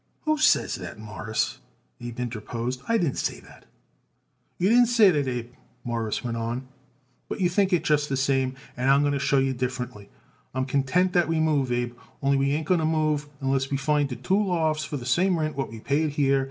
"Who says that, Mawruss?" Abe interposed. "I didn't say it." "You didn't say it, Abe," Morris went on, "but you think it just the same, and I'm going to show you differencely. I am content that we move, Abe, only we ain't going to move unless we can find it two lofts for the same rent what we pay it here.